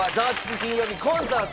金曜日コンサート」。